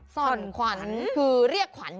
สั่นขวัญคือเรียกขวัญอย่างนี้หรอ